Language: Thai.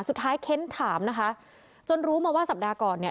เค้นถามนะคะจนรู้มาว่าสัปดาห์ก่อนเนี่ย